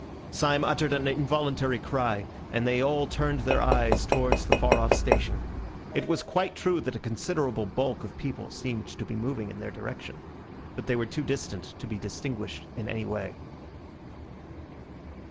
Syme uttered an involuntary cry, and they all turned their eyes towards the far off station. It was quite true that a considerable bulk of people seemed to be moving in their direction. But they were too distant to be distinguished in any way.